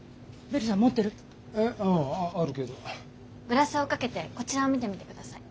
グラスをかけてこちらを見てみてください。